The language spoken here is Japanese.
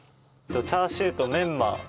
チャーシューとメンマ。